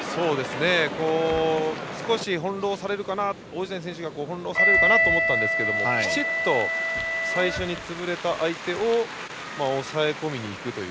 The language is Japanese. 少し王子谷選手が翻弄されるかなと思ったんですがきちんと最初に潰れた相手を抑え込みに行くという。